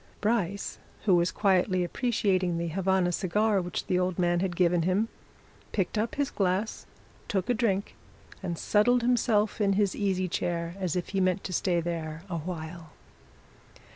Bryce, who was quietly appreciating the Havana cigar which the old man had given him, picked up his glass, took a drink, and settled himself in his easy chair as if he meant to stay there awhile.